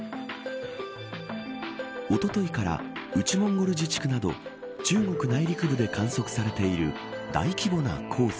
おとといから内モンゴル自治区など中国内陸部で観測されている大規模な黄砂。